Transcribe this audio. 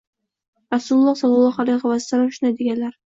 Rasululloh sollallohu alayhi va sallam shunday deganlar.